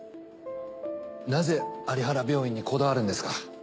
なぜ有原病院にこだわるんですか？